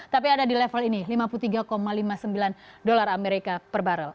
tapi ada di level ini lima puluh tiga lima puluh sembilan dolar amerika per barrel